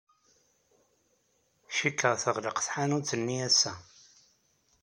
Cikkeɣ teɣleq tḥanut-nni ass-a.